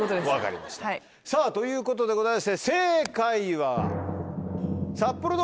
さぁということでございまして正解は。